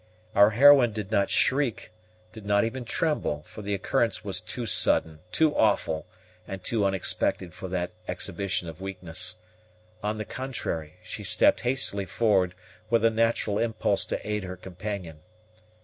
Our heroine did not shriek did not even tremble; for the occurrence was too sudden, too awful, and too unexpected for that exhibition of weakness; on the contrary, she stepped hastily forward, with a natural impulse to aid her companion.